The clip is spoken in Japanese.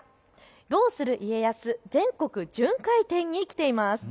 どうする家康全国巡回展に来ています。